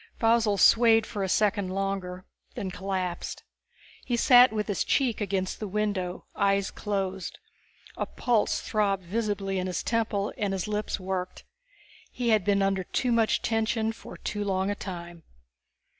Faussel swayed for a second longer, then collapsed. He sat with his cheek against the window, eyes closed. A pulse throbbed visibly in his temple and his lips worked. He had been under too much tension for too long a time.